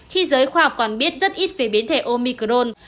khi giới khoa học còn biết rất ít về biến thể omicrone